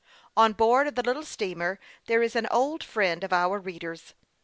On board of the little steamer there is an old friend of our readers.